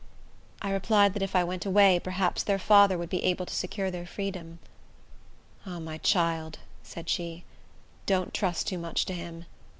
I replied, that if I went away, perhaps their father would be able to secure their freedom. "Ah, my child," said she, "don't trust too much to him.